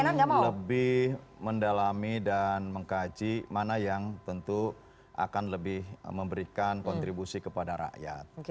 saya ingin lebih mendalami dan mengkaji mana yang tentu akan lebih memberikan kontribusi kepada rakyat